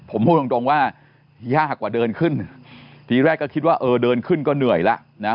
ผมพูดตรงตรงว่ายากกว่าเดินขึ้นทีแรกก็คิดว่าเออเดินขึ้นก็เหนื่อยแล้วนะ